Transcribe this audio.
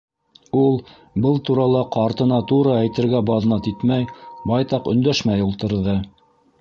Ул был турала ҡартына тура әйтергә баҙнат итмәй, байтаҡ өндәшмәй ултырҙы.